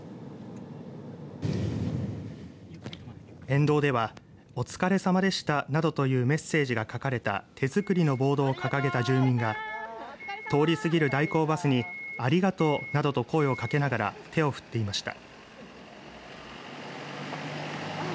沿道では、おつかれさまでしたなどというメッセージが書かれた手作りのボードを掲げた住民が通りすぎる代行バスにありがとうなどと声をかけながら手を振っていました。